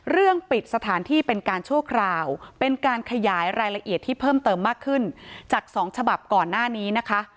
ปิดสถานที่เป็นการชั่วคราวเป็นการขยายรายละเอียดที่เพิ่มเติมมากขึ้นจาก๒ฉบับก่อนหน้านี้นะคะ